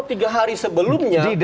kalau tiga hari sebelumnya